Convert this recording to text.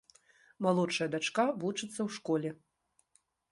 Малодшая дачка вучыцца ў школе.